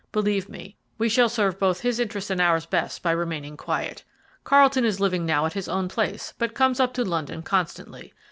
Believe me, we shall serve both his interests and ours best by remaining quiet. Carlton is living now at his own place, but comes up to London constantly.